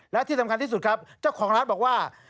และที่สำคัญที่สุดครับเจ้าของร้านบอกว่า